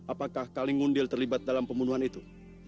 apakah kalingundil terlibat dalam pembunuhan itu